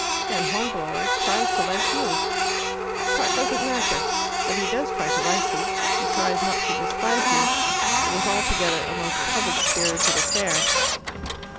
"And Hornblower tries to like you." "That part doesn't matter." "But he does try to like you. He tries not to despise you. It is altogether a most public spirited affair."